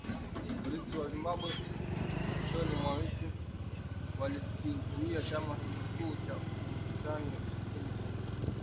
Polisi wa Zimbabwe mwishoni mwa wiki walikizuia chama kikuu cha upinzani nchini humo